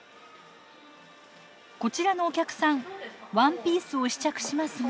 こちらのお客さんワンピースを試着しますが。